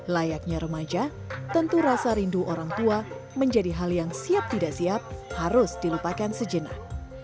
layaknya remaja tentu rasa rindu orang tua menjadi hal yang siap tidak siap harus dilupakan sejenak